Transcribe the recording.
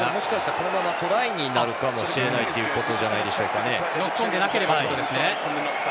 このままトライになるかもしれないということじゃないですかね。